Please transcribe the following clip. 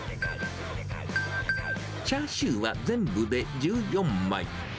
チャーシューは全部で１４枚。